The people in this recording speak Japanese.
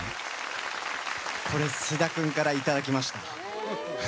これ、菅田君からいただきました。